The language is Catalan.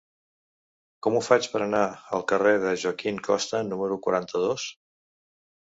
Com ho faig per anar al carrer de Joaquín Costa número quaranta-dos?